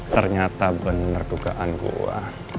ternyata bener dugaan gue